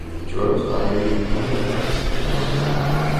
Doves collaborated with a number of artists during the night.